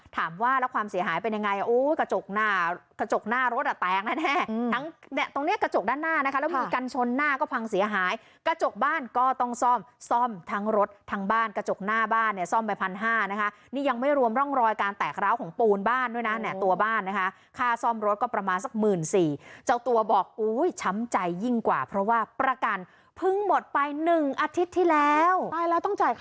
ถามว่าแล้วความเสียหายเป็นยังไงอู๋กระจกหน้ากระจกหน้ารถอ่ะแตกแน่แน่ตรงเนี่ยกระจกด้านหน้านะคะแล้วมีกันชนหน้าก็พังเสียหายกระจกบ้านก็ต้องซ่อมซ่อมทั้งรถทั้งบ้านกระจกหน้าบ้านเนี่ยซ่อมไปพันห้านะคะนี่ยังไม่รวมร่องรอยการแตกร้าวของปูนบ้านด้วยนะเนี่ยตัวบ้านนะคะค่าซ่อมรถก็ประมาณสักหมื่นสี่เจ้